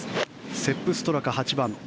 セップ・ストラカ、８番。